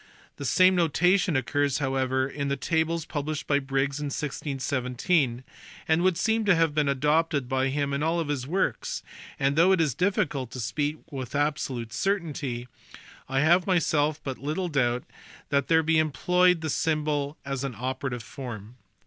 The same notation occurs however in the tables published by Briggs in 1617, and would seem to have been adopted by him in all his works; and, though it is difficult to speak with absolute certainty, I have myself but little doubt that he there employed the symbol as an operative form.